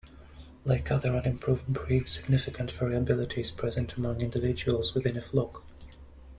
Like other unimproved breeds, significant variability is present among individuals within a flock.